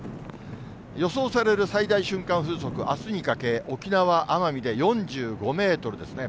予想される最大瞬間風速、あすにかけ、沖縄・奄美で４５メートルですね。